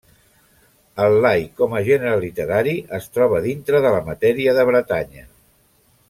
El lai com a gènere literari es troba dintre de la matèria de Bretanya.